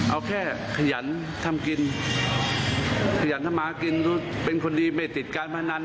เอาแค่ขยันทำกินขยันทำมากินเป็นคนดีไม่ติดการพนัน